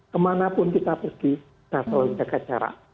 kemana pun kita pergi kita harus jaga jarak